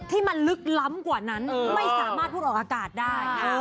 ที่มันลึกล้ำกว่านั้นไม่สามารถพูดออกอากาศได้